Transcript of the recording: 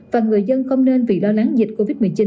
và người dân không nên vì lo lắng dịch covid một mươi chín